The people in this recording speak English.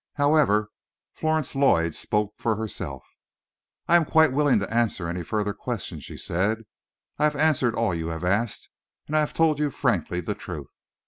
However, Florence Lloyd spoke for herself. "I am quite willing to answer any further questions," she said; "I have answered all you have asked, and I have told you frankly the truth.